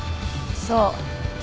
そう。